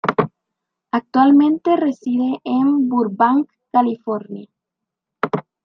Actualmente reside en Burbank, California.